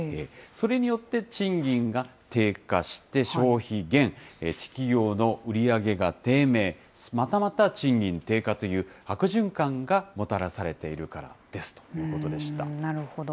それによって賃金が低下して、消費減、企業の売り上げが低迷、またまた賃金低下という、悪循環がもたらされているからですということでした。